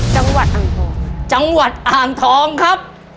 จังหวัดอ่างทองจังหวัดอ่างทองครับ